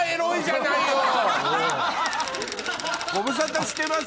ご無沙汰してます。